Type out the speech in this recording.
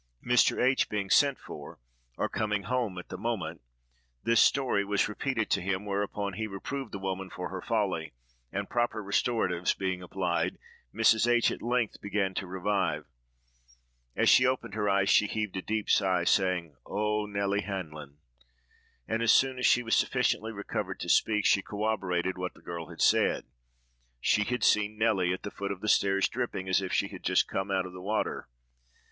Mr. H—— being sent for, or coming home at the moment, this story was repeated to him, whereupon he reproved the woman for her folly; and, proper restoratives being applied, Mrs. H—— at length began to revive. As she opened her eyes, she heaved a deep sigh, saying, "Oh, Nelly Hanlon!" and as soon as she was sufficiently recovered to speak, she corroborated what the girl had said: she had seen Nelly at the foot of the stairs, dripping as if she had just come out of the water.